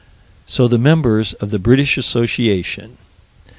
So the members of the British Association.